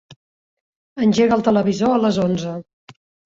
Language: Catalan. Engega el televisor a les onze.